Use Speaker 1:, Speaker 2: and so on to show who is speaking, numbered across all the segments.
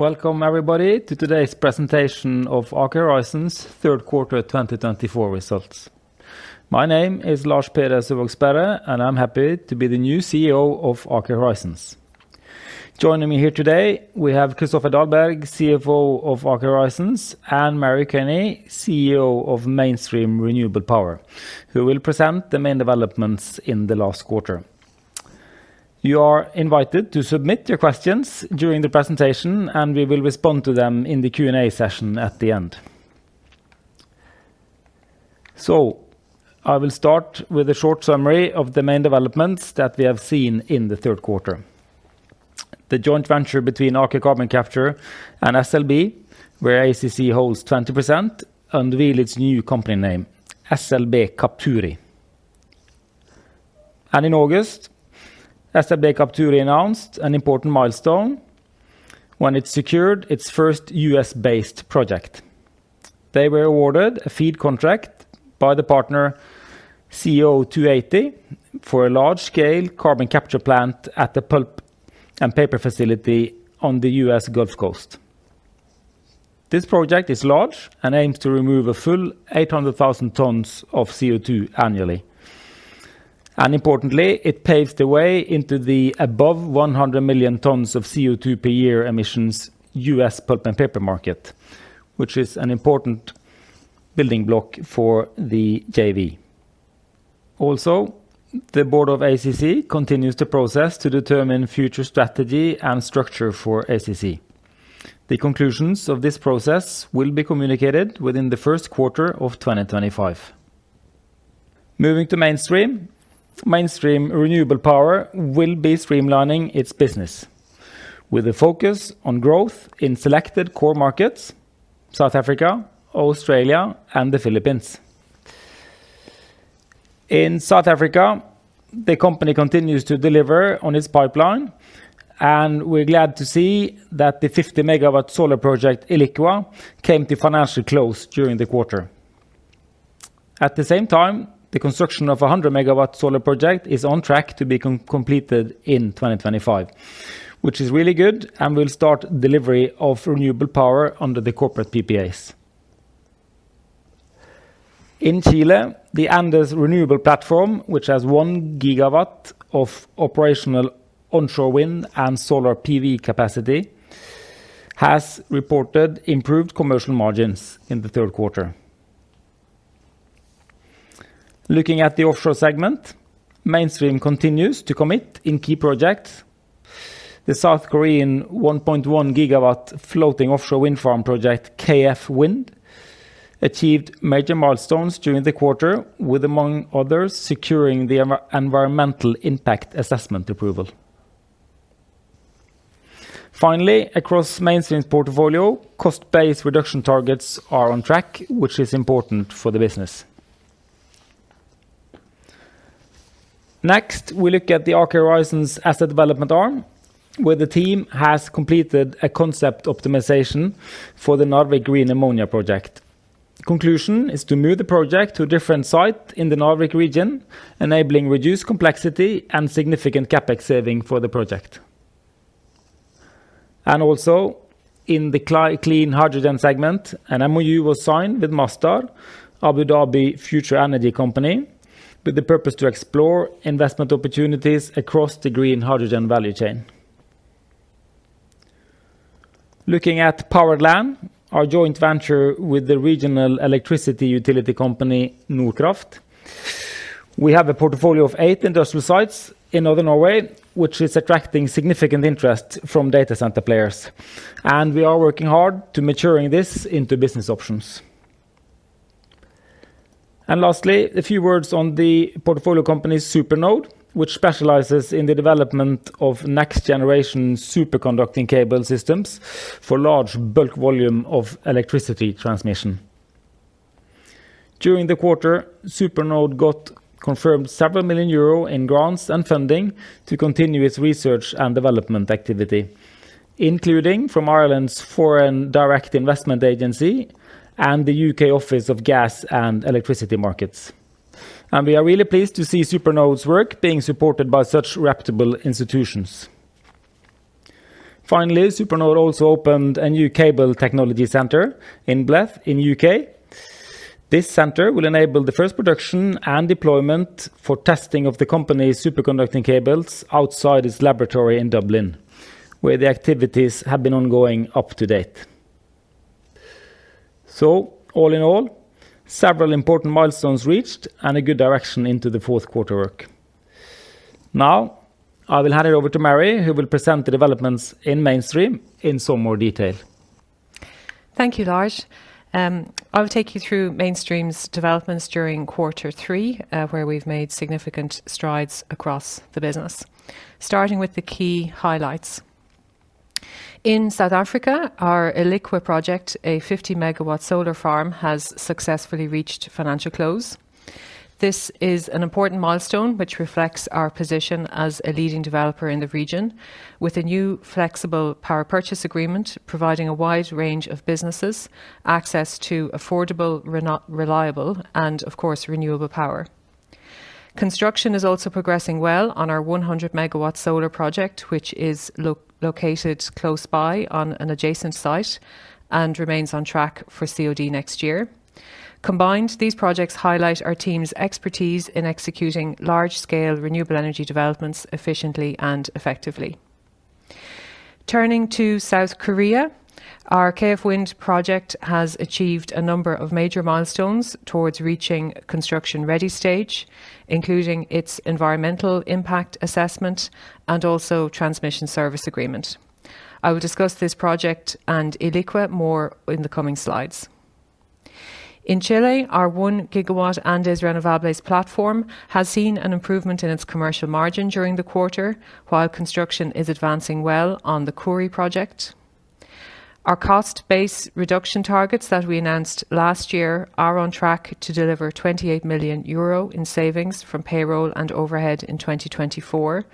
Speaker 1: Welcome, everybody, to today's presentation of Aker Horizons' Third Quarter 2024 Results. My name is Lars Peder Sperre, and I'm happy to be the new CEO of Aker Horizons. Joining me here today, we have Kristoffer Dahlberg, CFO of Aker Horizons, and Mary Quaney, CEO of Mainstream Renewable Power, who will present the main developments in the last quarter. You are invited to submit your questions during the presentation, and we will respond to them in the Q&A session at the end, so I will start with a short summary of the main developments that we have seen in the third quarter: the joint venture between Aker Carbon Capture and SLB, where ACC holds 20%, unveiled its new company name, SLB Capturi, and in August, SLB Capturi announced an important milestone when it secured its first U.S.-based project. They were awarded a FEED contract by the partner CO280 for a large-scale carbon capture plant at the pulp and paper facility on the U.S. Gulf Coast. This project is large and aims to remove a full 800,000 tons of CO2 annually. And importantly, it paves the way into the above 100 million tons of CO2 per year emissions U.S. pulp and paper market, which is an important building block for the JV. Also, the board of ACC continues the process to determine future strategy and structure for ACC. The conclusions of this process will be communicated within the first quarter of 2025. Moving to Mainstream, Mainstream Renewable Power will be streamlining its business with a focus on growth in selected core markets: South Africa, Australia, and the Philippines. In South Africa, the company continues to deliver on its pipeline, and we're glad to see that the 50 MW Solar project Ilikwa came to financial close during the quarter. At the same time, the construction of a 100 MW solar project is on track to be completed in 2025, which is really good, and will start delivery of renewable power under the corporate PPAs. In Chile, the Andes Renovables, which has 1 GW of operational onshore wind and solar PV capacity, has reported improved commercial margins in the third quarter. Looking at the offshore segment, Mainstream continues to commit in key projects. The South 1.1 GW floating offshore wind farm project, KF Wind, achieved major milestones during the quarter, among others, securing the environmental impact assessment approval. Finally, across Mainstream's portfolio, cost-based reduction targets are on track, which is important for the business. Next, we look at the Aker Horizons Asset Development Arm, where the team has completed a concept optimization for the Narvik Green Ammonia project. Conclusion is to move the project to a different site in the Narvik region, enabling reduced complexity and significant CapEx saving for the project. And also, in the clean hydrogen segment, an MoU was signed with Masdar, Abu Dhabi Future Energy Company, with the purpose to explore investment opportunities across the green hydrogen value chain. Looking at Powered Land, our joint venture with the regional electricity utility company Nordkraft, we have a portfolio of eight industrial sites in Northern Norway, which is attracting significant interest from data center players, and we are working hard to mature this into business options. Lastly, a few words on the portfolio company SuperNode, which specializes in the development of next-generation superconducting cable systems for large bulk volumes of electricity transmission. During the quarter, SuperNode got confirmed several million EUR in grants and funding to continue its research and development activity, including from Ireland's Foreign Direct Investment Agency and the U.K. Office of Gas and Electricity Markets. We are really pleased to see SuperNode's work being supported by such reputable institutions. Finally, SuperNode also opened a new cable technology center in Blyth in the U.K. This center will enable the first production and deployment for testing of the company's superconducting cables outside its laboratory in Dublin, where the activities have been ongoing up to date. All in all, several important milestones reached and a good direction into the fourth quarter work. Now, I will hand it over to Mary, who will present the developments in Mainstream in some more detail.
Speaker 2: Thank you, Lars. I will take you through Mainstream's developments during quarter three, where we've made significant strides across the business, starting with the key highlights. In South Africa, our Ilikwa project, a 50 MW solar farm, has successfully reached financial close. This is an important milestone which reflects our position as a leading developer in the region, with a new flexible power purchase agreement providing a wide range of businesses access to affordable, reliable, and, of course, renewable power. Construction is also progressing well on our 100 MW solar project, which is located close by on an adjacent site and remains on track for COD next year. Combined, these projects highlight our team's expertise in executing large-scale renewable energy developments efficiently and effectively. Turning to South Korea, our KF Wind project has achieved a number of major milestones towards reaching construction-ready stage, including its environmental impact assessment and also transmission service agreement. I will discuss this project and Ilikwa more in the coming slides. In Chile, 1 GW andes Renovables platform has seen an improvement in its commercial margin during the quarter, while construction is advancing well on the Ckhúri project. Our cost-based reduction targets that we announced last year are on track to deliver 28 million euro in savings from payroll and overhead in 2024,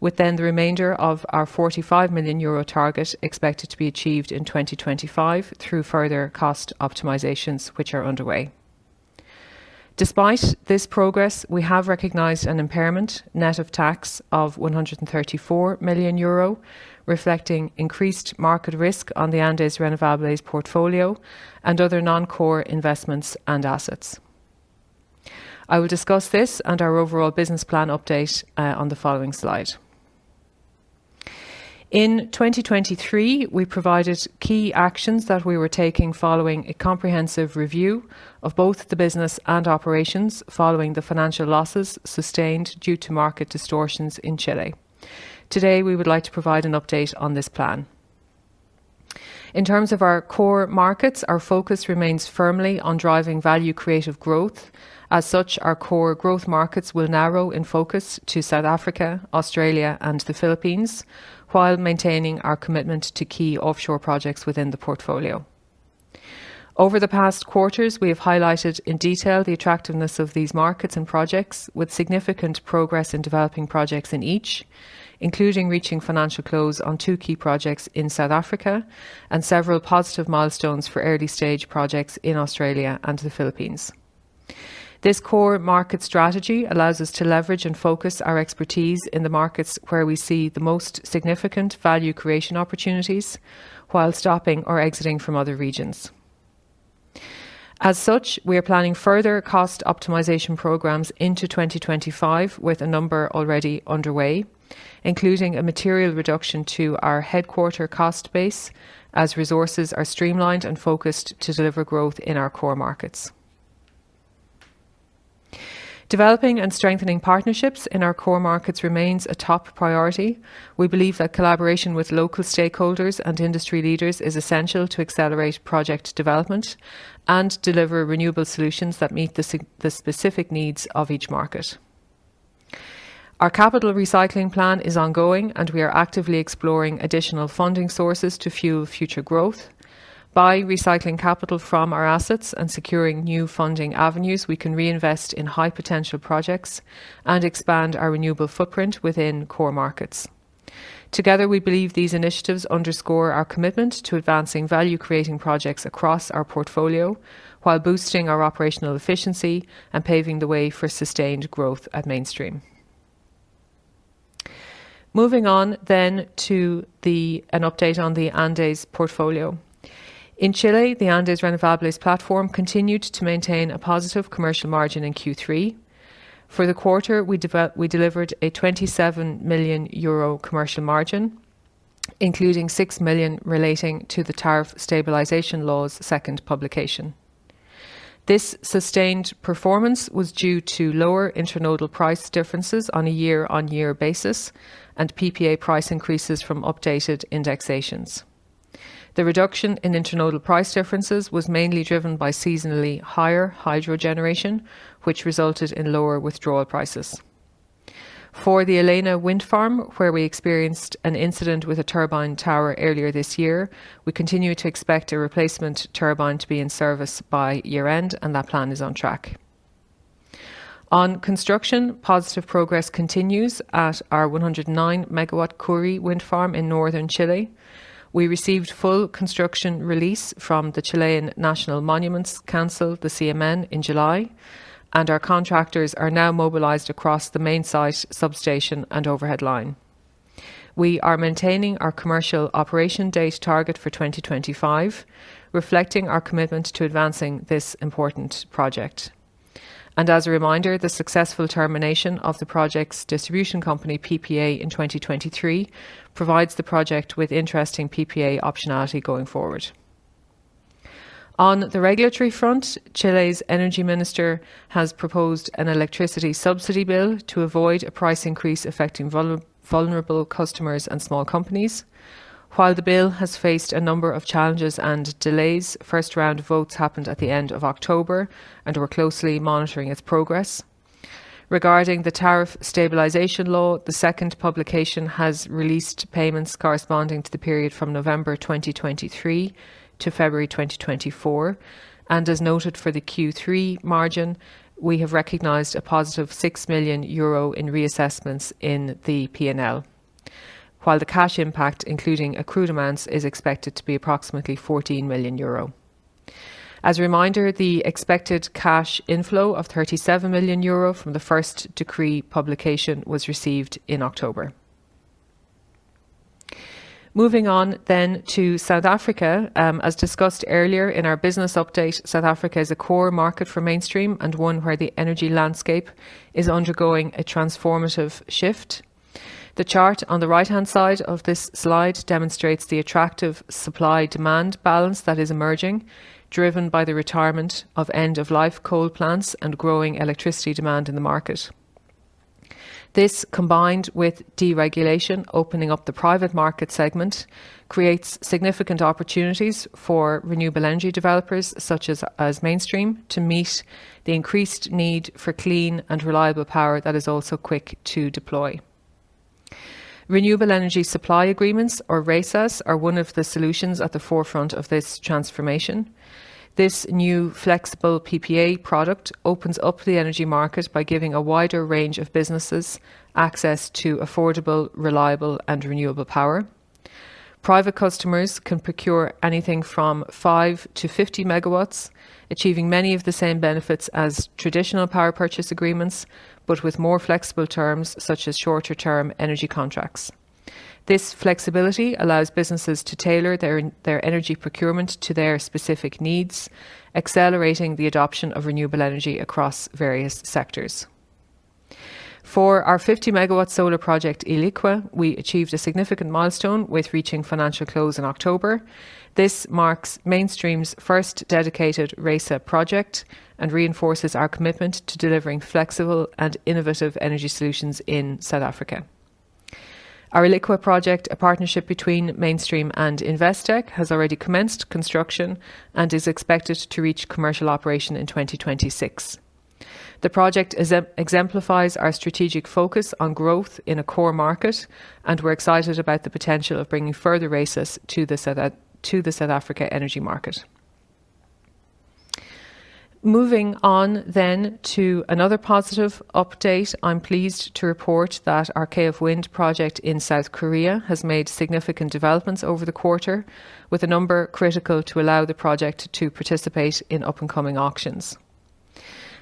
Speaker 2: with then the remainder of our EUR 45 million target expected to be achieved in 2025 through further cost optimizations, which are underway. Despite this progress, we have recognized an impairment net of tax of 134 million euro, reflecting increased market risk on the Andes Renovables portfolio and other non-core investments and assets. I will discuss this and our overall business plan update on the following slide. In 2023, we provided key actions that we were taking following a comprehensive review of both the business and operations following the financial losses sustained due to market distortions in Chile. Today, we would like to provide an update on this plan. In terms of our core markets, our focus remains firmly on driving value-creative growth. As such, our core growth markets will narrow in focus to South Africa, Australia, and the Philippines, while maintaining our commitment to key offshore projects within the portfolio. Over the past quarters, we have highlighted in detail the attractiveness of these markets and projects, with significant progress in developing projects in each, including reaching financial close on two key projects in South Africa and several positive milestones for early-stage projects in Australia and the Philippines. This core market strategy allows us to leverage and focus our expertise in the markets where we see the most significant value-creation opportunities while stopping or exiting from other regions. As such, we are planning further cost optimization programs into 2025, with a number already underway, including a material reduction to our headquarters cost base as resources are streamlined and focused to deliver growth in our core markets. Developing and strengthening partnerships in our core markets remains a top priority. We believe that collaboration with local stakeholders and industry leaders is essential to accelerate project development and deliver renewable solutions that meet the specific needs of each market. Our capital recycling plan is ongoing, and we are actively exploring additional funding sources to fuel future growth. By recycling capital from our assets and securing new funding avenues, we can reinvest in high-potential projects and expand our renewable footprint within core markets. Together, we believe these initiatives underscore our commitment to advancing value-creating projects across our portfolio while boosting our operational efficiency and paving the way for sustained growth at Mainstream. Moving on then to an update on the Andes portfolio. In Chile, the Andes Renovables platform continued to maintain a positive commercial margin in Q3. For the quarter, we delivered a 27 million euro commercial margin, including 6 million relating to the Tariff Stabilization Law's second publication. This sustained performance was due to lower internodal price differences on a year-on-year basis and PPA price increases from updated indexations. The reduction in internodal price differences was mainly driven by seasonally higher hydro generation, which resulted in lower withdrawal prices. For the Alena Wind Farm, where we experienced an incident with a turbine tower earlier this year, we continue to expect a replacement turbine to be in service by year-end, and that plan is on track. On construction, positive progress continues at our 109 MW Ckhúri Wind Farm in northern Chile. We received full construction release from the Chilean National Monuments Council, the CMN, in July, and our contractors are now mobilized across the main site, substation, and overhead line. We are maintaining our commercial operation date target for 2025, reflecting our commitment to advancing this important project. As a reminder, the successful termination of the project's distribution company PPA in 2023 provides the project with interesting PPA optionality going forward. On the regulatory front, Chile's energy minister has proposed an electricity subsidy bill to avoid a price increase affecting vulnerable customers and small companies. While the bill has faced a number of challenges and delays, first round votes happened at the end of October and we're closely monitoring its progress. Regarding the Tariff Stabilization Law, the second publication has released payments corresponding to the period from November 2023 to February 2024, and as noted for the Q3 margin, we have recognized a positive 6 million euro in reassessments in the P&L, while the cash impact, including accrued amounts, is expected to be approximately 14 million euro. As a reminder, the expected cash inflow of 37 million euro from the first decree publication was received in October. Moving on then to South Africa, as discussed earlier in our business update, South Africa is a core market for Mainstream and one where the energy landscape is undergoing a transformative shift. The chart on the right-hand side of this slide demonstrates the attractive supply-demand balance that is emerging, driven by the retirement of end-of-life coal plants and growing electricity demand in the market. This, combined with deregulation opening up the private market segment, creates significant opportunities for renewable energy developers, such as Mainstream, to meet the increased need for clean and reliable power that is also quick to deploy. Renewable energy supply agreements, or RESAs, are one of the solutions at the forefront of this transformation. This new flexible PPA product opens up the energy market by giving a wider range of businesses access to affordable, reliable, and renewable power. Private customers can procure anything from 5-50 MWs, achieving many of the same benefits as traditional power purchase agreements, but with more flexible terms, such as shorter-term energy contracts. This flexibility allows businesses to tailor their energy procurement to their specific needs, accelerating the adoption of renewable energy across various sectors. For our 50 MW solar project, Ilikwa, we achieved a significant milestone with reaching financial close in October. This marks Mainstream's first dedicated RESA project and reinforces our commitment to delivering flexible and innovative energy solutions in South Africa. Our Ilikwa project, a partnership between Mainstream and Investec, has already commenced construction and is expected to reach commercial operation in 2026. The project exemplifies our strategic focus on growth in a core market, and we're excited about the potential of bringing further RESAs to the South Africa energy market. Moving on then to another positive update, I'm pleased to report that our KF Wind project in South Korea has made significant developments over the quarter, with a number critical to allow the project to participate in up-and-coming auctions.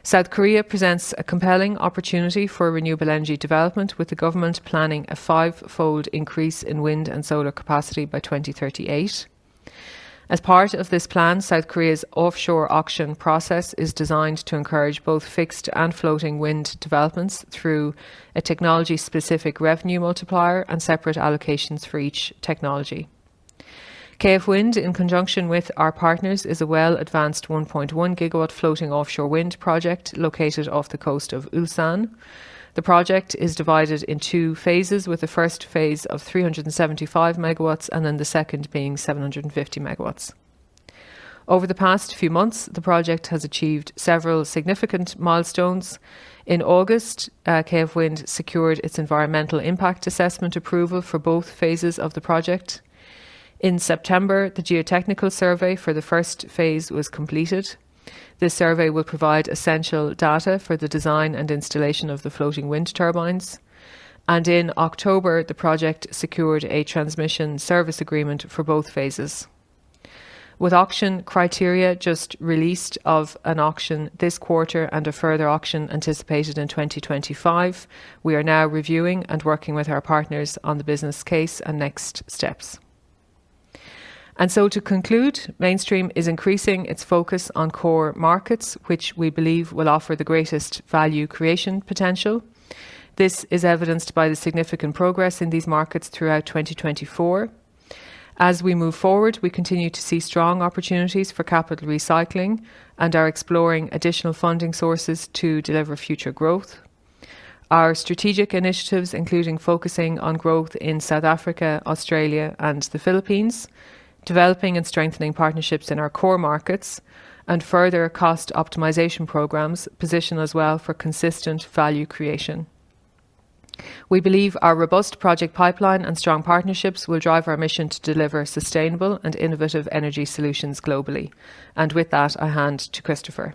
Speaker 2: South Korea presents a compelling opportunity for renewable energy development, with the government planning a five-fold increase in wind and solar capacity by 2038. As part of this plan, South Korea's offshore auction process is designed to encourage both fixed and floating wind developments through a technology-specific revenue multiplier and separate allocations for each technology. KF Wind, in conjunction with our partners, is a 1.1 GW floating offshore wind project located off the coast of Ulsan. The project is divided in two phases, with the first phase of 375 MWs and then the second being 750 MWs. Over the past few months, the project has achieved several significant milestones. In August, KF Wind secured its environmental impact assessment approval for both phases of the project. In September, the geotechnical survey for the first phase was completed. This survey will provide essential data for the design and installation of the floating wind turbines. And in October, the project secured a transmission service agreement for both phases. With auction criteria just released of an auction this quarter and a further auction anticipated in 2025, we are now reviewing and working with our partners on the business case and next steps. And so to conclude, Mainstream is increasing its focus on core markets, which we believe will offer the greatest value creation potential. This is evidenced by the significant progress in these markets throughout 2024. As we move forward, we continue to see strong opportunities for capital recycling and are exploring additional funding sources to deliver future growth. Our strategic initiatives, including focusing on growth in South Africa, Australia, and the Philippines, developing and strengthening partnerships in our core markets, and further cost optimization programs position as well for consistent value creation. We believe our robust project pipeline and strong partnerships will drive our mission to deliver sustainable and innovative energy solutions globally. With that, I hand to Kristoffer.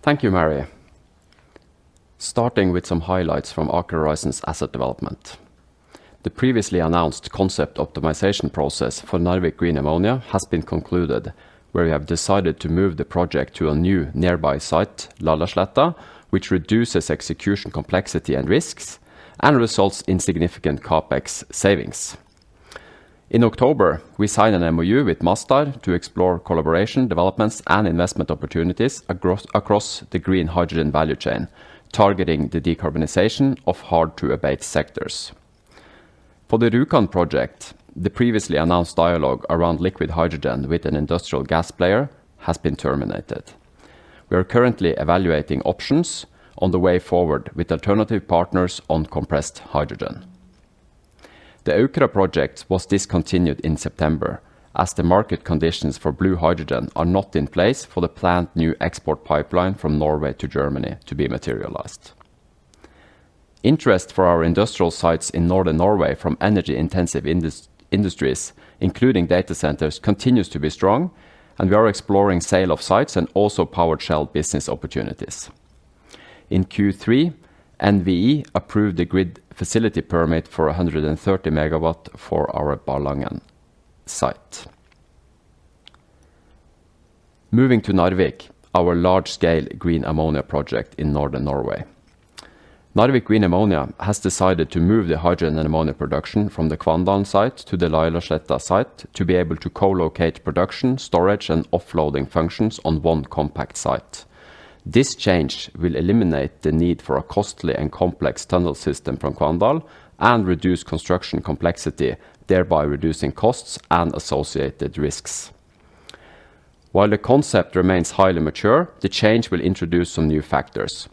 Speaker 3: Thank you, Mary. Starting with some highlights from Aker Horizons' asset development. The previously announced concept optimization process for Narvik Green Ammonia has been concluded, where we have decided to move the project to a new nearby site, Lageråa, which reduces execution complexity and risks and results in significant CapEx savings. In October, we signed an MOU with Masdar to explore collaboration developments and investment opportunities across the green hydrogen value chain, targeting the decarbonization of hard-to-abate sectors. For the Rjukan project, the previously announced dialogue around liquid hydrogen with an industrial gas player has been terminated. We are currently evaluating options on the way forward with alternative partners on compressed hydrogen. The Aukra project was discontinued in September as the market conditions for blue hydrogen are not in place for the planned new export pipeline from Norway to Germany to be materialized. Interest for our industrial sites in northern Norway from energy-intensive industries, including data centers, continues to be strong, and we are exploring sale of sites and also power shell business opportunities. In Q3, NVE approved the grid facility permit for 130 MWs for our Ballangsleira site. Moving to Narvik, our large-scale green ammonia project in northern Norway. Narvik Green Ammonia has decided to move the hydrogen and ammonia production from the Kvandal site to the Lageråa site to be able to co-locate production, storage, and offloading functions on one compact site. This change will eliminate the need for a costly and complex tunnel system from Kvandal and reduce construction complexity, thereby reducing costs and associated risks. While the concept remains highly mature, the change will introduce some new factors.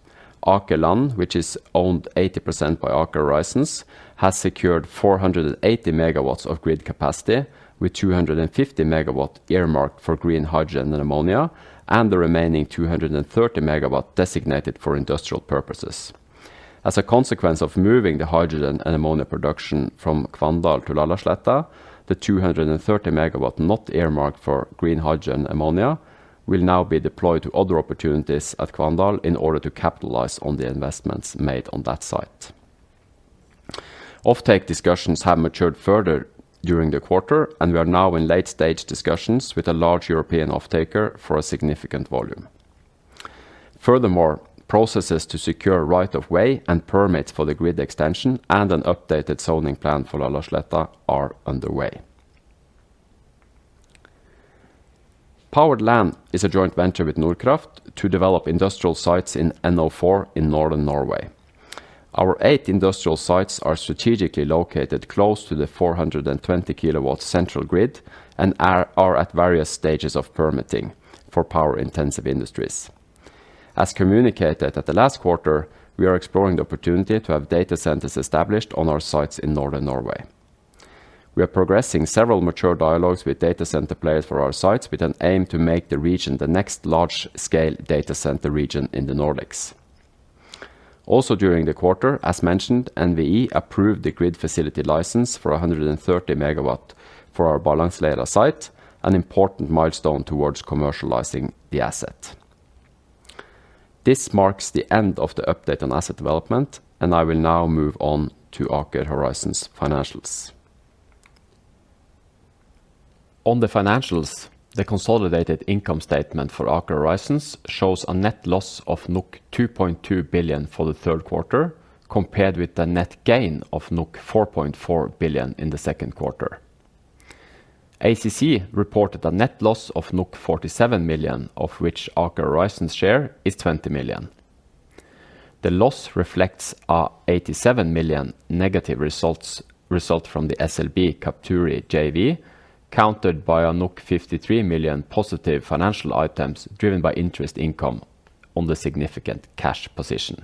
Speaker 3: Aker Land, which is owned 80% by Aker Horizons, has secured 480 MWs of grid capacity with 250 MWs earmarked for green hydrogen and ammonia, and the remaining 230 MWs designated for industrial purposes. As a consequence of moving the hydrogen and ammonia production from Kvandal to Lageråa, the 230 MWs not earmarked for green hydrogen and ammonia will now be deployed to other opportunities at Kvandal in order to capitalize on the investments made on that site. Offtake discussions have matured further during the quarter, and we are now in late-stage discussions with a large European offtaker for a significant volume. Furthermore, processes to secure right-of-way and permits for the grid extension and an updated zoning plan for Lageråa are underway. Powered Land is a joint venture with Nordkraft to develop industrial sites in NO4 in Northern Norway. Our eight industrial sites are strategically located close to the 420 kV central grid and are at various stages of permitting for power-intensive industries. As communicated at the last quarter, we are exploring the opportunity to have data centers established on our sites in Northern Norway. We are progressing several mature dialogues with data center players for our sites with an aim to make the region the next large-scale data center region in the Nordics. Also during the quarter, as mentioned, NVE approved the grid facility license for 130 MW for our Ballangsleira site, an important milestone towards commercializing the asset. This marks the end of the update on asset development, and I will now move on to Aker Horizons financials. On the financials, the consolidated income statement for Aker Horizons shows a net loss of 2.2 billion for the third quarter compared with the net gain of 4.4 billion in the second quarter. ACC reported a net loss of 47 million, of which Aker Horizons' share is 20 million. The loss reflects an 87 million negative result from the SLB Capturi JV, countered by a 53 million positive financial items driven by interest income on the significant cash position.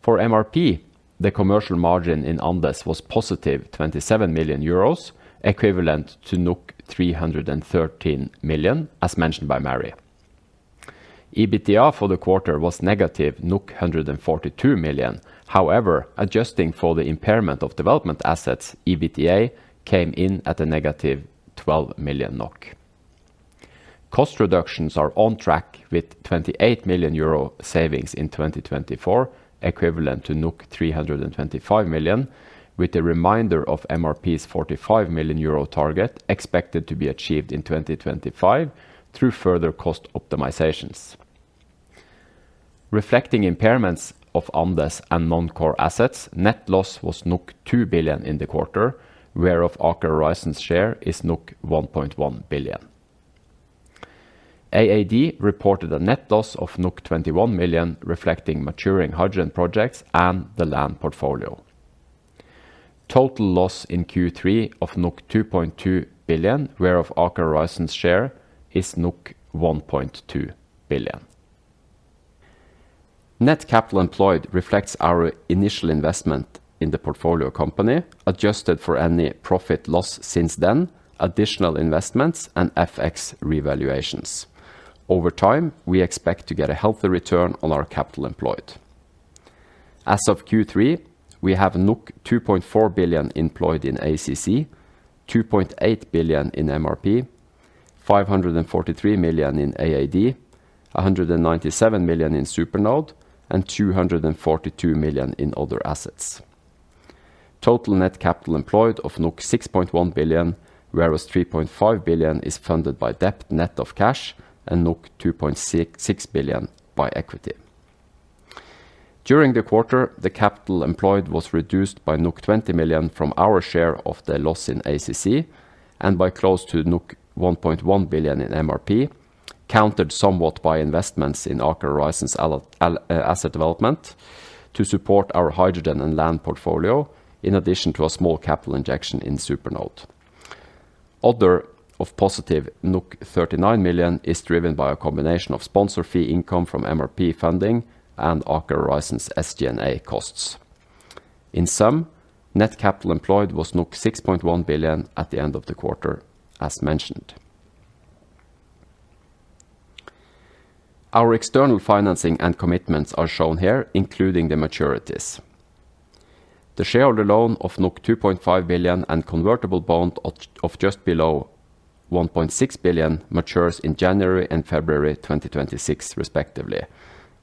Speaker 3: For MRP, the commercial margin in Andes was positive 27 million euros, equivalent to 313 million, as mentioned by Mary. EBITDA for the quarter was negative 142 million. However, adjusting for the impairment of development assets, EBITDA came in at a negative 12 million NOK. Cost reductions are on track with 28 million euro savings in 2024, equivalent to 325 million, with the remainder of MRP's 45 million euro target expected to be achieved in 2025 through further cost optimizations. Reflecting impairments of Andes and non-core assets, net loss was NOK 2 billion in the quarter, whereof Aker Horizons' share is NOK 1.1 billion. AAD reported a net loss of NOK 21 million, reflecting maturing hydrogen projects and the land portfolio. Total loss in Q3 of 2.2 billion, whereof Aker Horizons' share is 1.2 billion. Net capital employed reflects our initial investment in the portfolio company, adjusted for any profit loss since then, additional investments, and FX revaluations. Over time, we expect to get a healthy return on our capital employed. As of Q3, we have 2.4 billion employed in ACC, 2.8 billion in MRP, 543 million in AAD, 197 million in SuperNode, and 242 million in other assets. Total net capital employed of 6.1 billion, whereas 3.5 billion is funded by debt net of cash and 2.6 billion by equity. During the quarter, the capital employed was reduced by 20 million from our share of the loss in ACC and by close to 1.1 billion in MRP, countered somewhat by investments in Aker Horizons' asset development to support our hydrogen and land portfolio, in addition to a small capital injection in SuperNode. Other of positive 39 million is driven by a combination of sponsor fee income from MRP funding and Aker Horizons' SG&A costs. In sum, net capital employed was 6.1 billion at the end of the quarter, as mentioned. Our external financing and commitments are shown here, including the maturities. The shareholder loan of 2.5 billion and convertible bond of just below 1.6 billion matures in January and February 2026, respectively,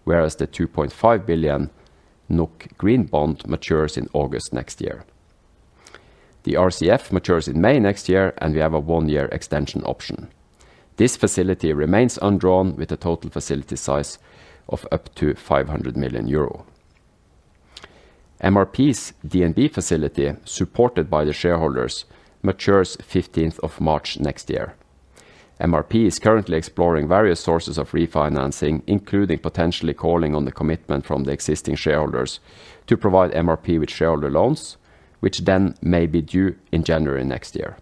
Speaker 3: whereas the 2.5 billion NOK green bond matures in August next year. The RCF matures in May next year, and we have a one-year extension option. This facility remains undrawn with a total facility size of up to 500 million euro. MRP's DNB facility, supported by the shareholders, matures 15th of March next year. MRP is currently exploring various sources of refinancing, including potentially calling on the commitment from the existing shareholders to provide MRP with shareholder loans, which then may be due in January next year.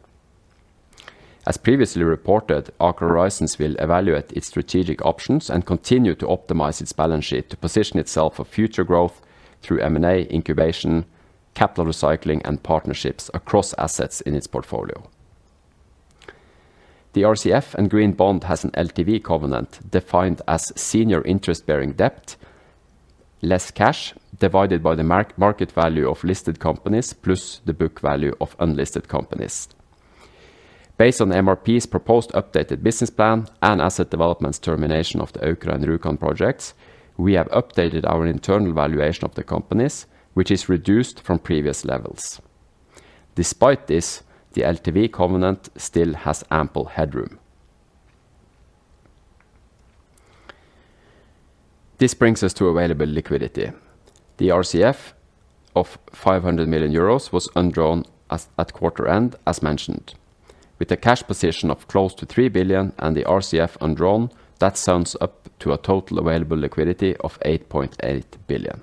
Speaker 3: As previously reported, Aker Horizons will evaluate its strategic options and continue to optimize its balance sheet to position itself for future growth through M&A, incubation, capital recycling, and partnerships across assets in its portfolio. The RCF and green bond has an LTV covenant defined as senior interest-bearing debt, less cash divided by the market value of listed companies plus the book value of unlisted companies. Based on MRP's proposed updated business plan and asset development's termination of the Aukra and Rjukan projects, we have updated our internal valuation of the companies, which is reduced from previous levels. Despite this, the LTV covenant still has ample headroom. This brings us to available liquidity. The RCF of 500 million euros was undrawn at quarter end, as mentioned. With a cash position of close to 3 billion and the RCF undrawn, that sums up to a total available liquidity of 8.8 billion.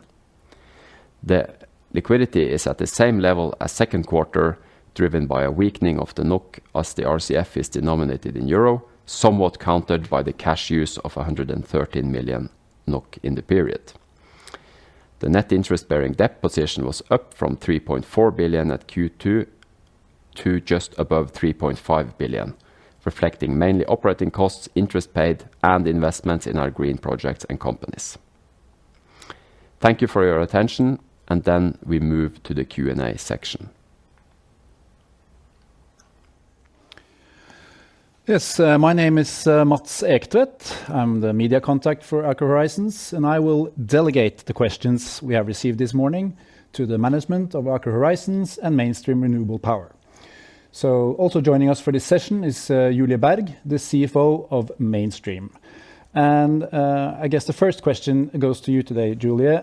Speaker 3: The liquidity is at the same level as second quarter, driven by a weakening of the NOK, as the RCF is denominated in euro, somewhat countered by the cash use of 113 million NOK in the period. The net interest-bearing debt position was up from 3.4 billion at Q2 to just above 3.5 billion, reflecting mainly operating costs, interest paid, and investments in our green projects and companies. Thank you for your attention, and then we move to the Q&A section.
Speaker 4: Yes, my name is Mats Ektvedt. I'm the media contact for Aker Horizons, and I will delegate the questions we have received this morning to the management of Aker Horizons and Mainstream Renewable Power. So also joining us for this session is Julie Berg, the CFO of Mainstream. And I guess the first question goes to you today, Julie.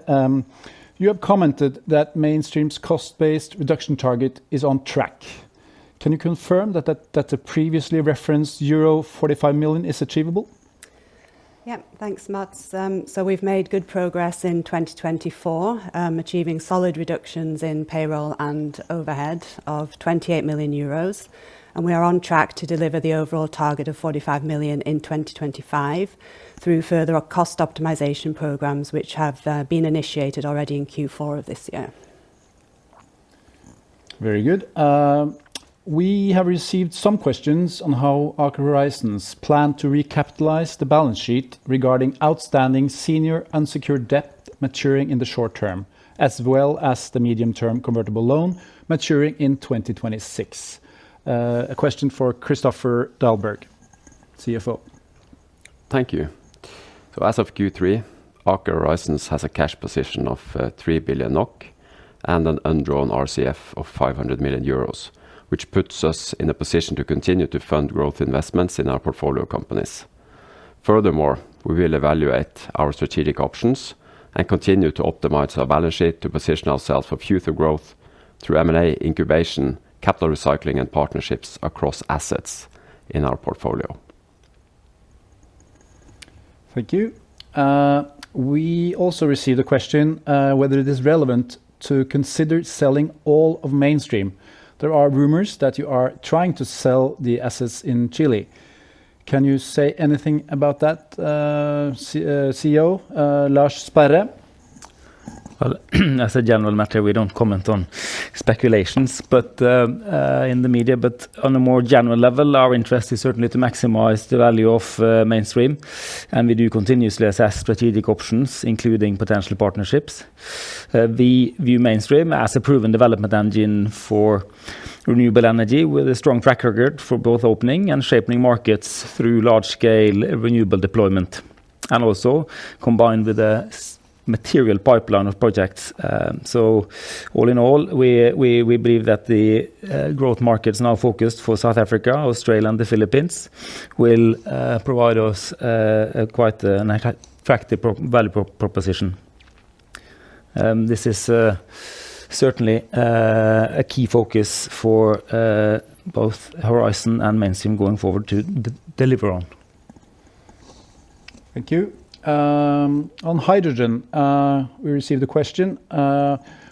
Speaker 4: You have commented that Mainstream's cost-based reduction target is on track. Can you confirm that the previously referenced euro 45 million is achievable?
Speaker 5: Yeah, thanks, Mats. So we've made good progress in 2024, achieving solid reductions in payroll and overhead of 28 million euros. And we are on track to deliver the overall target of 45 million in 2025 through further cost optimization programs, which have been initiated already in Q4 of this year.
Speaker 4: Very good. We have received some questions on how Aker Horizons plan to recapitalize the balance sheet regarding outstanding senior unsecured debt maturing in the short term, as well as the medium-term convertible loan maturing in 2026. A question for Kristoffer Dahlberg, CFO. Thank you.
Speaker 3: As of Q3, Aker Horizons has a cash position of 3 billion NOK and an undrawn RCF of 500 million euros, which puts us in a position to continue to fund growth investments in our portfolio companies. Furthermore, we will evaluate our strategic options and continue to optimize our balance sheet to position ourselves for future growth through M&A, incubation, capital recycling, and partnerships across assets in our portfolio.
Speaker 4: Thank you. We also received a question whether it is relevant to consider selling all of Mainstream. There are rumors that you are trying to sell the assets in Chile. Can you say anything about that, CEO Lars Sperre?
Speaker 1: As a general matter, we don't comment on speculations in the media, but on a more general level, our interest is certainly to maximize the value of Mainstream. And we do continuously assess strategic options, including potential partnerships. We view Mainstream as a proven development engine for renewable energy, with a strong track record for both opening and shaping markets through large-scale renewable deployment, and also combined with a material pipeline of projects. So all in all, we believe that the growth markets now focused for South Africa, Australia, and the Philippines will provide us quite an attractive value proposition. This is certainly a key focus for both Horizon and Mainstream going forward to deliver on.
Speaker 4: Thank you. On hydrogen, we received a question.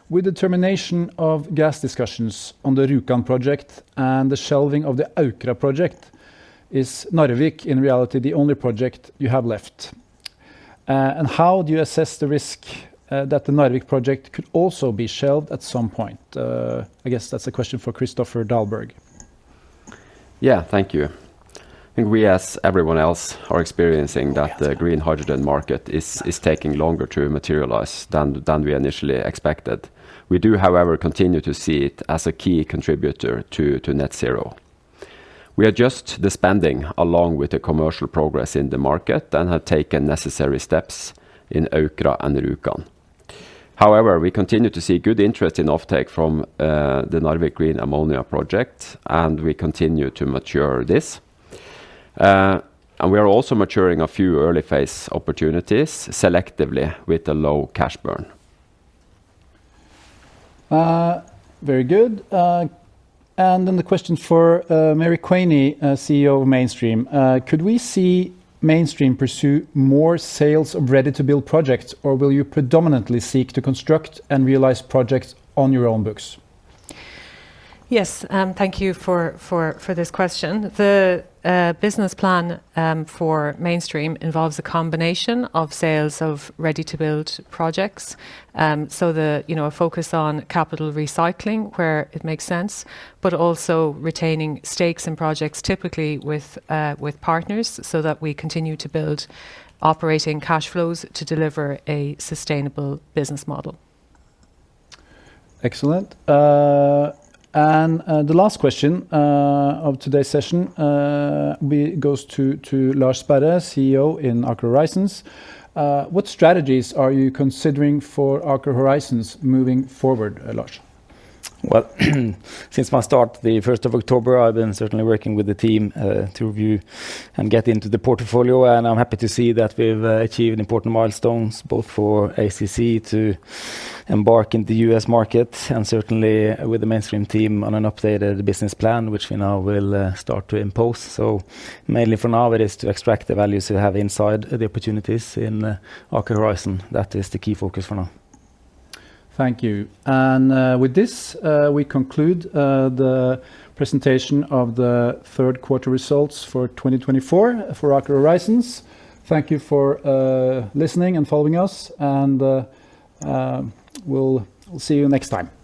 Speaker 4: With the termination of gas discussions on the Rjukan project and the shelving of the Aukra project, is Narvik in reality the only project you have left? And how do you assess the risk that the Narvik project could also be shelved at some point? I guess that's a question for Kristoffer Dahlberg.
Speaker 3: Yeah, thank you. I think we, as everyone else, are experiencing that the green hydrogen market is taking longer to materialize than we initially expected. We do, however, continue to see it as a key contributor to net zero. We adjust the spending along with the commercial progress in the market and have taken necessary steps in Aukra and Rjukan. However, we continue to see good interest in offtake from the Narvik Green Ammonia project, and we continue to mature this. And we are also maturing a few early phase opportunities selectively with a low cash burn.
Speaker 4: Very good. And then the question for Mary Quaney, CEO of Mainstream. Could we see Mainstream pursue more sales of ready-to-build projects, or will you predominantly seek to construct and realize projects on your own books?
Speaker 2: Yes, thank you for this question. The business plan for Mainstream involves a combination of sales of ready-to-build projects, so a focus on capital recycling where it makes sense, but also retaining stakes in projects, typically with partners, so that we continue to build operating cash flows to deliver a sustainable business model.
Speaker 4: Excellent. The last question of today's session goes to Lars Sperre, CEO in Aker Horizons. What strategies are you considering for Aker Horizons moving forward, Lars?
Speaker 1: Since my start the 1st of October, I've been certainly working with the team to review and get into the portfolio. I'm happy to see that we've achieved important milestones, both for ACC to embark in the U.S. market, and certainly with the Mainstream team on an updated business plan, which we now will start to impose. So mainly for now, it is to extract the values we have inside the opportunities in Aker Horizons. That is the key focus for now.
Speaker 4: Thank you. And with this, we conclude the presentation of the third quarter results for 2024 for Aker Horizons. Thank you for listening and following us. And we'll see you next time.